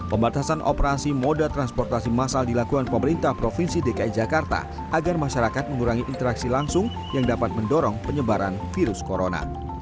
pembatasan operasi moda transportasi masal dilakukan pemerintah provinsi dki jakarta agar masyarakat mengurangi interaksi langsung yang dapat mendorong penyebaran virus corona